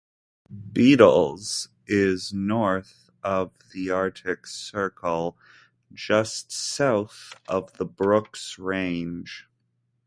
Bettles is north of the Arctic Circle just south of the Brooks Range.